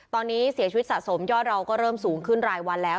ตอนนี้เสียชีวิตสะสมยอดเราก็เริ่มสูงขึ้นรายวันแล้ว